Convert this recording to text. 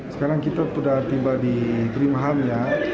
sekarang kita sudah tiba di grimham ya